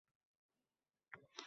Ustoz Komiljon Otaniyozov ibrati